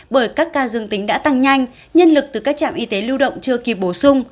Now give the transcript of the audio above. bởi các ca dương tính đã tăng nhanh nhân lực từ các trạm y tế lưu động chưa kịp bổ sung